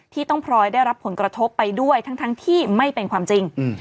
ที่ต้องพลอยได้รับผลกระทบไปด้วยทั้งที่ไม่เป็นความจริง